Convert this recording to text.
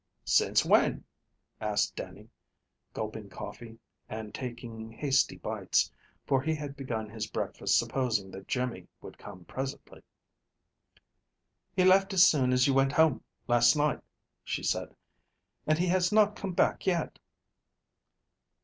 "Since when?" asked Dannie, gulping coffee, and taking hasty bites, for he had begun his breakfast supposing that Jimmy would come presently. "He left as soon as you went home last night," she said, "and he has not come back yet."